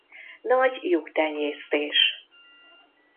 Nagy juh tenyésztés.